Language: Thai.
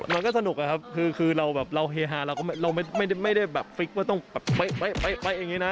มันก็สนุกครับคือเราเฮฮาเราไม่ได้ฟริกว่าต้องไปอย่างนี้นะ